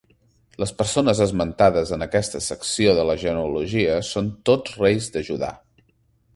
Les persones esmentades en aquesta secció de la genealogia són tots reis de Judà.